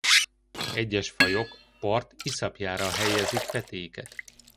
Egyes fajok a part iszapjára helyezik petéiket.